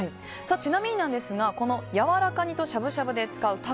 ちなみにですが、やわらか煮としゃぶしゃぶで使うタコ